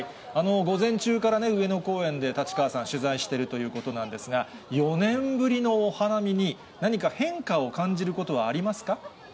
午前中からね、上野公園で立川さん、取材しているということなんですが、４年ぶりのお花見に、何か変化を感じることはあります